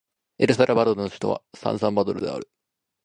エルサルバドルの首都はサンサルバドルである